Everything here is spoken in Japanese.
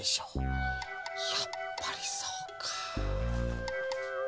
やっぱりそうか。